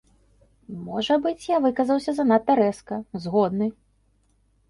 Можа быць, я выказаўся занадта рэзка, згодны.